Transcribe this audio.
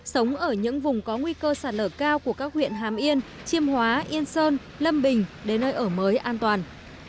sống ở những vùng có nguy cơ sạt lở cao của các huyện hàm yên chiêm hóa yên sơn lâm bình đến nơi ở mới an toàn